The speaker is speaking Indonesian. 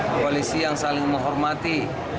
koalisi yang saling menghormati